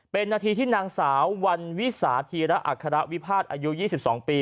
เป็นนาทีที่นางสาววันวิสาธีระอัครวิพาทอายุ๒๒ปี